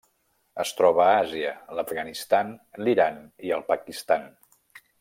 Es troba a Àsia: l'Afganistan, l'Iran i el Pakistan.